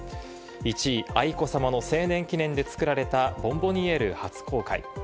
１位・愛子さまの成年記念で作られた、ボンボニエール初公開。